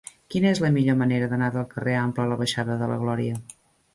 Quina és la millor manera d'anar del carrer Ample a la baixada de la Glòria?